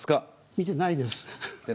見てないです。